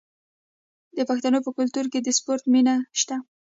د پښتنو په کلتور کې د سپورت مینه شته.